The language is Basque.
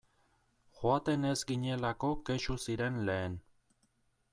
Joaten ez ginelako kexu ziren lehen.